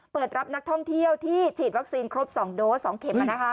เปิดรับนักท่องเที่ยวที่ฉีดวัคซีนครบ๒โดส๒เข็ม